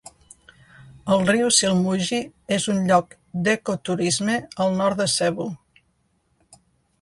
El riu Silmugi és un lloc d'ecoturisme al nord de Cebu.